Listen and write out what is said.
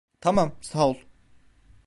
Tamam, sağ ol.